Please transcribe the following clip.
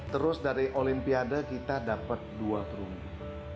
terus dari olimpiade kita dapat dua perunggu